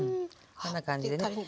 こんな感じでね。